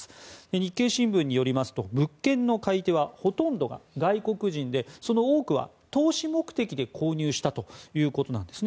日経新聞によりますと物件の買い手はほとんど外国人でその多くは投資目的で購入したということです。